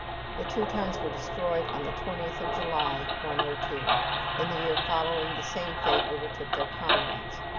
The Teutons were destroyed on the 20th of July, 102. In the year following, the same fate overtook their comrades.